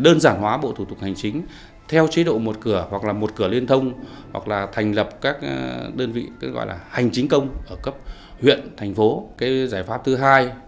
đơn giản hóa bộ thủ tục hành trình theo chế độ một cửa hoặc là một cửa liên thông hoặc là thành lập các đơn vị hành trình công ở cấp huyện thành phố giải pháp thứ hai